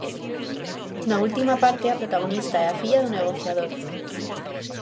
Na última parte, a protagonista é a filla do negociador.